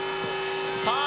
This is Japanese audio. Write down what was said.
さあ